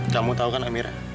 kamu tau kan amira